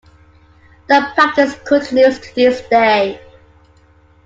The practice continues to this day.